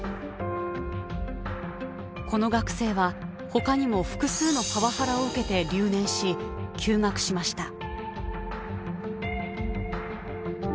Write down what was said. この学生は他にも複数のパワハラを受けて留年し休学しました。